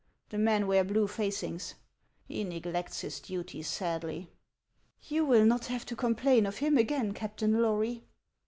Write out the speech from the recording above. The men wear blue facings. He neglects his duty sadly." " You will not have to complain of him again, Captain Lory."